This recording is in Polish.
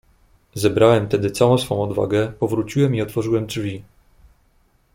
"Zebrałem tedy całą swą odwagę, powróciłem i otworzyłem drzwi."